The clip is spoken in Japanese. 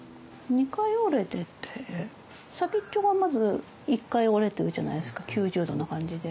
２回折れてて先っちょがまず一回折れてるじゃないですか９０度な感じで。